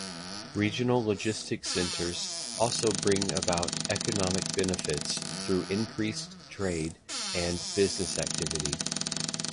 Regional logistics centers also bring about economic benefits through increased trade and business activity.